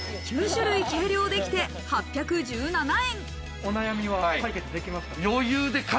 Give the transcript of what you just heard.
９種類計量できて８１７円。